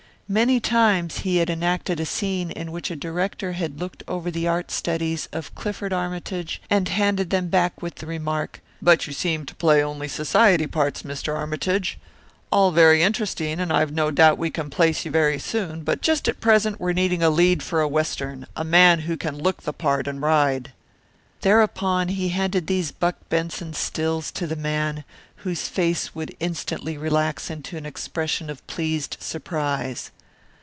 Many times he had enacted a scene in which a director had looked over the art studies of Clifford Armytage and handed them back with the remark, "But you seem to play only society parts, Mr. Armytage. All very interesting, and I've no doubt we can place you very soon; but just at present we're needing a lead for a Western, a man who can look the part and ride." Thereupon he handed these Buck Benson stills to the man, whose face would instantly relax into an expression of pleased surprise.